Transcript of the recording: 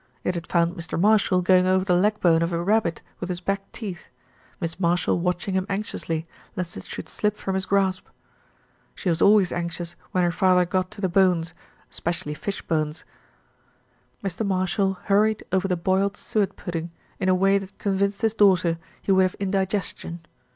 It had found Mr. Marshall going over the leg bone of a rabbit with his back teeth, Miss Marshall watch ing him anxiously, lest it should slip from his grasp. She was always anxious when her father got to the bones, especially fish bones. Mr. Marshall hurried over the boiled suet pudding in a way that convinced his daughter he would have indigestion.